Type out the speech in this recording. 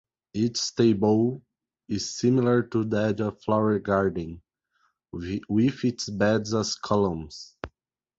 Its tableau is similar to that of Flower Garden with its beds as columns.